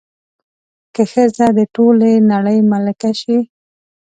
که ښځه د ټولې نړۍ ملکه شي